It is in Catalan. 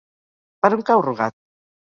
Per on cau Rugat?